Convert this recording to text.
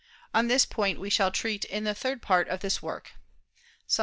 On this point we shall treat in the Third Part of this work (Suppl.